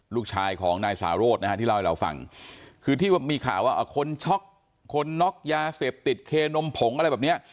ลูกชายของนายสาโรธนะฮะที่เล่าให้เราฟังคือที่มีข่าวว่าคนช็อกคนน็อกยาเสพติดเคนมผงอะไรแบบเนี้ย